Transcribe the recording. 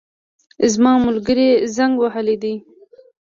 زما ملګري زنګ وهلی دی